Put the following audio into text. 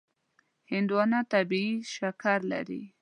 هندوانه طبیعي شکر لري.